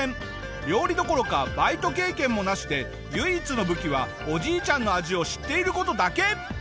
料理どころかバイト経験もなしで唯一の武器はおじいちゃんの味を知っている事だけ！